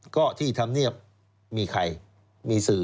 ก็ที่ธรรมเนียบมีใครมีสื่อ